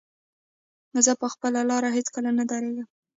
زه به په خپله لاره کې هېڅکله نه درېږم.